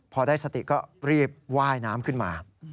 พอได้สติก็รีบว่ายน้ำขึ้นมา